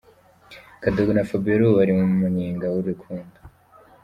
Kadogo na Fabiola ubu bari mu munyenga w'urukundo.